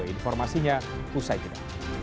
informasinya usai kita